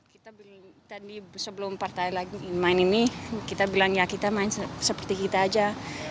kita tadi sebelum partai lagi main ini kita bilang ya kita main seperti kita aja